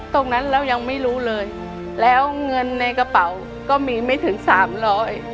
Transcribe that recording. ตรงนั้นเรายังไม่รู้เลยแล้วเงินในกระเป๋าก็มีไม่ถึงสามร้อย